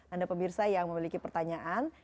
anda pemirsa yang memiliki pertanyaan